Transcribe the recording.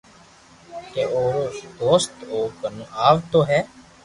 ڪو اورو دوست او ڪنو آويو ھي